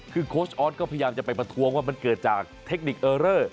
คือโค้ชออสก็พยายามจะไปประท้วงว่ามันเกิดจากเทคนิคเออเรอร์